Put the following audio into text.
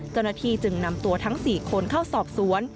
กรณฑีจึงนำตัวทั้ง๔คนเข้าสอบสวน